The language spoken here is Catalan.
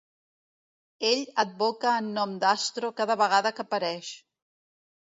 Ell advoca en nom d'Astro cada vegada que apareix.